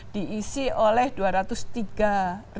diisi oleh dua ratus tiga warga binaan pemasyarakatan